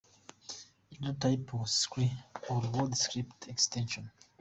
Another type was scri, or WorldScript extension.